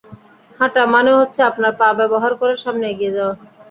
হাটা মানে হচ্ছে আপনার পা ব্যবহার করে সামনে এগিয়ে যাওয়া।